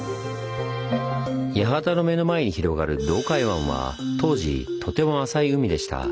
八幡の目の前に広がる洞海湾は当時とても浅い海でした。